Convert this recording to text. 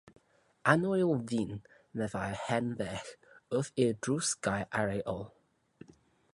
‘Annwyl ddyn!' meddai'r hen ferch, wrth i'r drws gau ar ei ôl.